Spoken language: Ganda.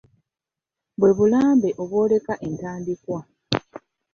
Bwe bulambe obwoleka entandikwa.